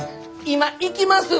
今行きます！